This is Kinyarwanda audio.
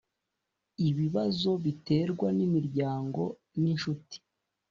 ibibazo biterwa n’imiryango n’inshuti: